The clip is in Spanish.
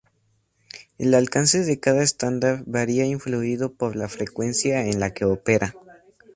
El alcance de cada estándar varía influido por la frecuencia en la que opera.